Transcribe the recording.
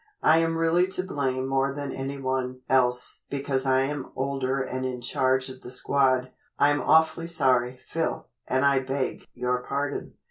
I am really to blame more than any one else because I am older and in charge of the squad. I'm awfully sorry, Phil, and I beg your pardon."